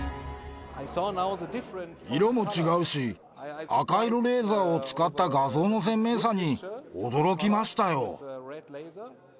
色も違うし、赤色レーザーを使った画像の鮮明さに驚きましたよ。